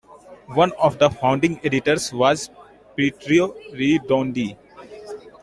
One of the founding editors was Pietro Redondi.